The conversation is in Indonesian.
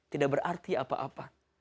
tidak berarti apa apa